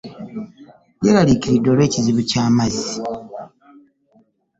Yerarikiridde olwekizibu kyamazzi.